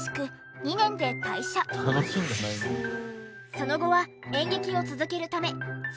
その後は演劇を続けるためその頃